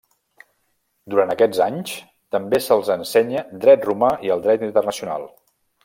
Durant aquests anys també se'ls ensenya dret romà i el dret internacional.